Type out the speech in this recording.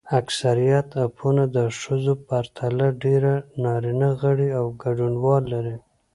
اکثریت اپونه د ښځو پرتله ډېر نارینه غړي او ګډونوال لري.